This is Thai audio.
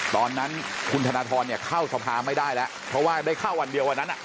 ตอนนั้นคุณธนทรเข้าสภาไม่ได้แล้วเพราะว่าได้เข้าวันเดียววันนั้น